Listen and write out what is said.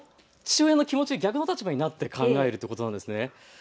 父親の気持ち、逆の立場になって考えるということですね。